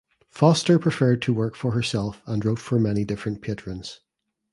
Foster preferred to work for herself and wrote for many different patrons.